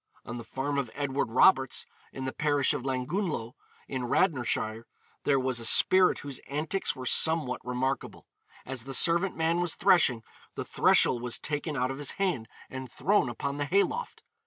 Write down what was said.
On the farm of Edward Roberts, in the parish of Llangunllo, in Radnorshire, there was a spirit whose antics were somewhat remarkable. As the servant man was threshing, the threshel was taken out of his hand and thrown upon the hay loft.